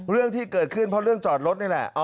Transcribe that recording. เรื่องที่เกิดขึ้นเพราะเรื่องจอดรถนี่แหละ